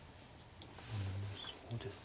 うんそうですね